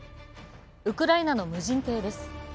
ウクライナの無人艇です。